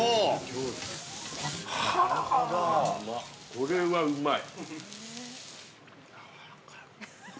◆これはうまい！